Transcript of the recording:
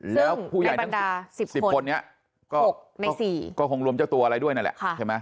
แล้วผู้ใหญ่สิบคนหกในสี่ก็คงรวมเจ้าตัวอะไรด้วยนั่นแหละใช่ไหม